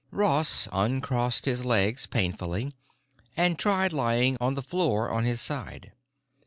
Ross uncrossed his legs painfully and tried lying on the floor on his side.